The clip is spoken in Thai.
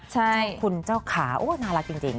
ใช่คุณเจ้าขาโอ้น่ารักจริง